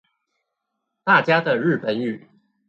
大家的日本語